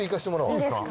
いいですか？